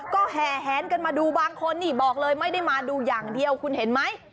ก็แห่แหนกันมาดูบางคนนี่บอกเลยไม่ได้มาดูอย่างเดียวคุณเห็นไหม